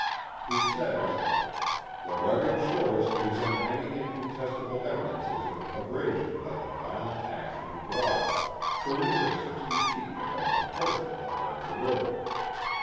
He says: The rugged shores present many incontestable evidences of abrasion by the violent action of water, thirty to sixty feet above the present level of the river.